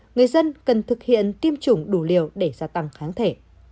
người dân cần thực hiện tiêm chủng đủ liều để gia tăng kháng thể